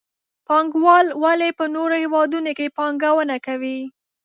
پانګوال ولې په نورو هېوادونو کې پانګونه کوي؟